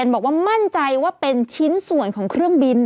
บอกว่ามั่นใจว่าเป็นชิ้นส่วนของเครื่องบิน